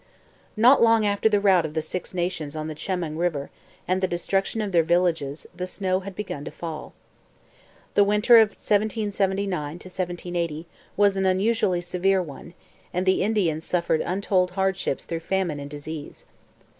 Not long after the rout of the Six Nations on the Chemung river and the destruction of their villages the snow had begun to fall. The winter of 1779 80 was an unusually severe one, and the Indians suffered untold hardships through famine and disease.